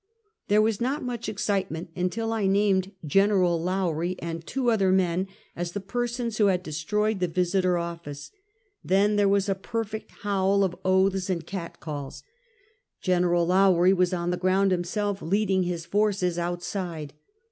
There was not much excitemient until I named Gen. Lowrie and two other men as the persons who had de destroyed the Visiter office. Then there was a perfect howl of oaths and cat calls. Gen. Lowrie was on the ground himself, leading his forces outside.